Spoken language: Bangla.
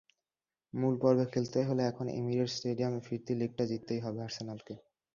মূল পর্বে খেলতে হলে এখন এমিরেটস স্টেডিয়ামে ফিরতি লেগটা জিততেই হবে আর্সেনালকে।